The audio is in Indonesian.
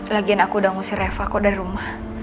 lagian aku udah ngusir eva kok dari rumah